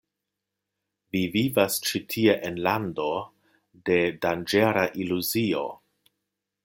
Vi vivas ĉi tie en lando de danĝera iluzio.